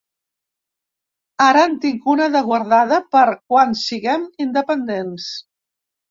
Ara en tinc una de guardada per quan siguem independents.